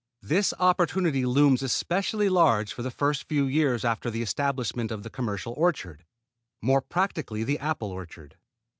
This opportunity looms especially large for the first few years after the establishment of the commercial orchard, more particularly the apple orchard.